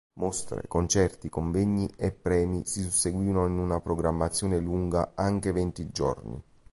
Mostre, concerti, convegni e premi si susseguivano in una programmazione lunga anche venti giorni.